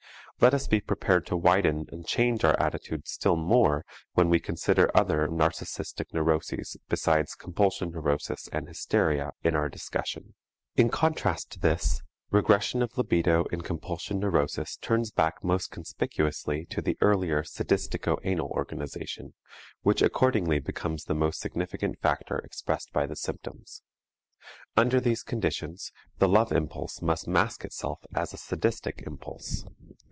Let us be prepared to widen and change our attitude still more when we consider other narcistic neuroses besides compulsion neurosis and hysteria in our discussion. In contrast to this, regression of libido in compulsion neurosis turns back most conspicuously to the earlier sadistico anal organization, which accordingly becomes the most significant factor expressed by the symptoms. Under these conditions the love impulse must mask itself as a sadistic impulse.